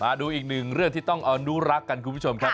มาดูอีกหนึ่งเรื่องที่ต้องอนุรักษ์กันคุณผู้ชมครับ